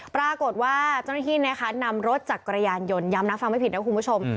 ปรากฏว่าเจ้านาคีนนำรถจากกระยานยนต์ย้ำนะฟังไม่ผิดครับคุณผู้ชม